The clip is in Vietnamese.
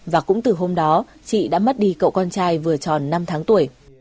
và cũng từ hôm đó chị đã mất đi cậu con trai vừa tròn năm tháng tuổi